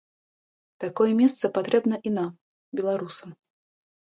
Такое месца патрэбна і нам, беларусам.